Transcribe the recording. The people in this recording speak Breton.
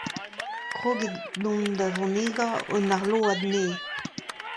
Kroget on da vonegañ an arload nevez.